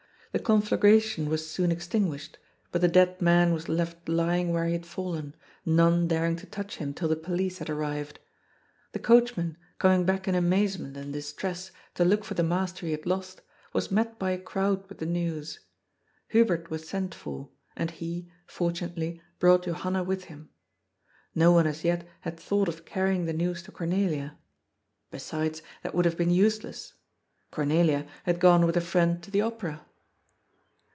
The conflagration was soon extin guished, but the dead man was left lying where he had fallen, none daring to touch him till the police had arrived. The coachman, coming back in amazement and distress, to look for the master he had lost, was met by a crowd with the news. Hubert was sent for, and he, fortunately, brought Johanna with him. No one as yet had thought of carrying the news to Cornelia. Besides, that would have been use less. Cornelia had gone with a friend to the Opera.